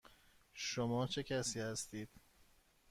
شما چه کسی هستید؟